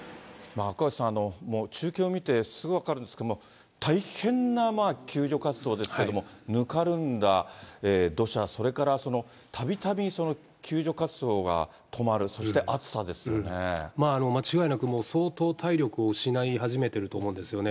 中継を見てよく分かるんですけど、大変な救助活動ですけれども、ぬかるんだ土砂、それからたびたび救助活動が止まる、間違いなく相当、体力を失い始めていると思うんですよね。